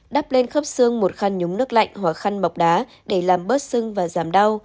đắp lên khớp xương một khăn nhúng nước lạnh hoặc khăn bọc đá để làm bớt xương và giảm đau